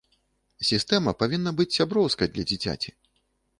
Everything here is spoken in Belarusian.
Сістэма павінна быць сяброўскай для дзіцяці.